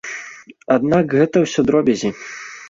Аднак гэта ўсё дробязі.